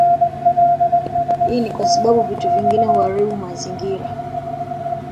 Hii ni kwa sababu vitu vingine huaribu mazingira